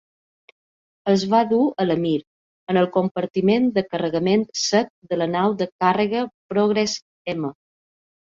Els van dur a la "Mir" en el compartiment de carregament sec de la nau de càrrega Progress-M.